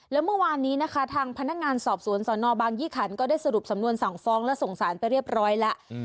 แล้วเมื่อวานนี้นะคะทางพนักงานสอบสวนสนบางยี่ขันก็ได้สรุปสำนวนสั่งฟ้องและส่งสารไปเรียบร้อยแล้ว